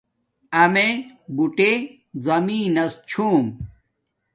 امیے بوٹے زمین نس چھوم